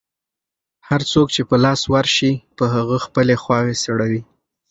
هر څوک چې په لاس ورشي، په هغه خپلې خواوې سړوي.